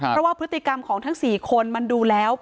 เพราะว่าพฤติกรรมของทั้ง๔คนมันดูแล้ว